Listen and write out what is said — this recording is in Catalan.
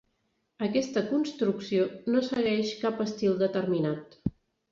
Aquesta construcció no segueix cap estil determinat.